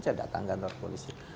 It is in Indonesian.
saya datang kantor polisi